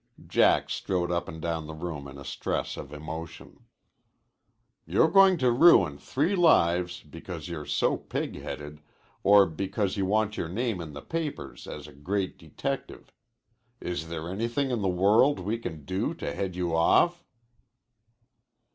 Jack strode up and down the room in a stress of emotion. "You're going to ruin three lives because you're so pigheaded or because you want your name in the papers as a great detective. Is there anything in the world we can do to head you off?"